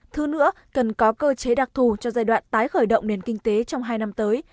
thứ nữa cần có cơ chế đặc thù cho giai đoạn tái khởi động nền kinh tế trong hai năm tới